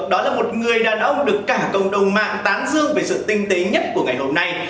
đó là một người đàn ông được cả cộng đồng mạng tán dương về sự tinh tế nhất của ngày hôm nay